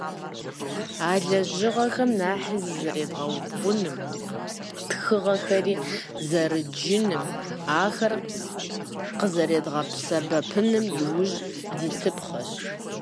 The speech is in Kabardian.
А лэжьыгъэм нэхъри зэрызедгъэубгъуным, тхыгъэхэри зэрыдджыным, ахэр къызэрыдгъэсэбэпыным иужь дитыпхъэщ.